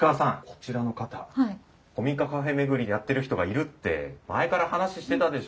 こちらの方古民家カフェ巡りやってる人がいるって前から話してたでしょ。